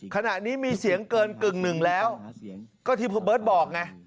ขณะนี้มีเสียงเกิน๑๕เหี่ยวก็ที่เผอร์ดบอกไง